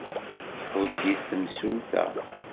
Tḥudd-it temsulta.